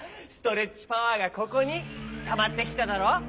ストレッチパワーがここにたまってきただろ！